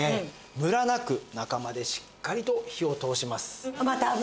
ムラなく中までしっかりと火を通します。